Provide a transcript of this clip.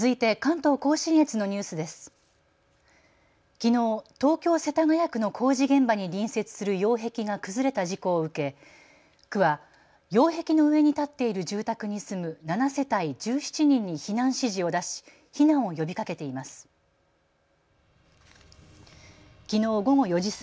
東京世田谷区の工事現場に隣接する擁壁が崩れた事故を受け区は擁壁の上に建っている住宅に住む７世帯１７人に避難指示を出し避難を呼びかけています。